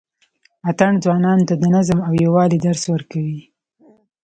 اتڼ ځوانانو ته د نظم او یووالي درس ورکوي.